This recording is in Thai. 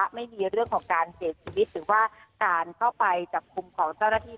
ไม่มีเรื่องของการเสียชีวิตหรือว่าการเข้าไปจับกลุ่มของเจ้าหน้าที่